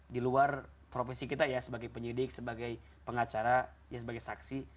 di luar profesi kita ya sebagai penyidik sebagai pengacara ya sebagai saksi